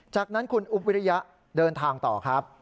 จากนั้นคุณอุ๊บวิริยะเดินทางต่อครับ